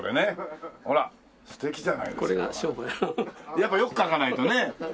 やっぱ良く描かないとね。